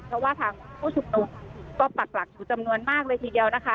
เพราะว่าทางผู้ชุมนุมก็ปักหลักอยู่จำนวนมากเลยทีเดียวนะคะ